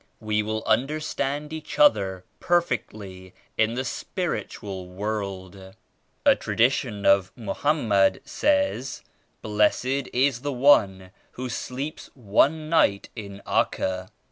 We will understand each other perfectly in the spiritual world. A tradition of Mohammed says ^Blessed is the one who sleeps one night in Acca.'